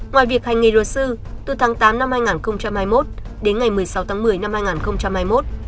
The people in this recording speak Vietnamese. ngoài việc hành nghề luật sư từ tháng tám năm hai nghìn hai mươi một đến ngày một mươi sáu tháng một mươi năm hai nghìn hai mươi một